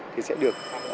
thì sẽ được